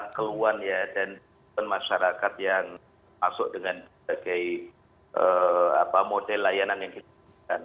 keluhan ya dan masyarakat yang masuk dengan berbagai model layanan yang kita lakukan